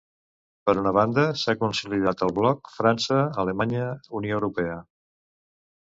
Per una banda, s'ha consolidat el bloc França-Alemanya-UE.